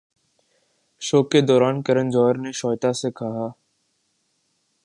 شو کے دوران کرن جوہر نے شویتا سے کہا